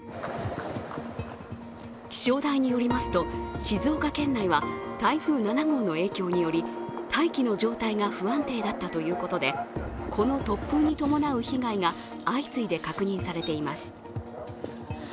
気象台によりますと静岡県内は台風７号の影響により大気の状態が不安定だったということでこの突風に伴う被害が相次いで確認されています。